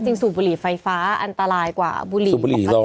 สูบบุหรี่ไฟฟ้าอันตรายกว่าบุหรี่ปกติ